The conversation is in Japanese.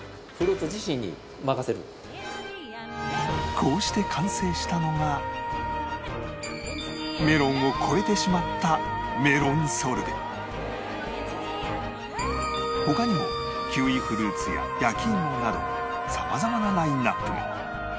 こうして完成したのがメロンを超えてしまったメロンソルベ他にもキウイフルーツや焼き芋など様々なラインアップが